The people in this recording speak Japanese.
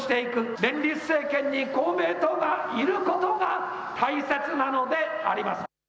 連立政権に公明党がいることが大切なのであります。